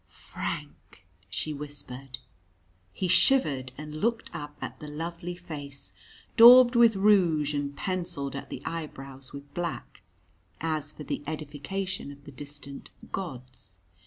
"Frank!" she whispered. He shivered and looked up at the lovely face, daubed with rouge and pencilled at the eyebrows with black as for the edification of the distant "gods."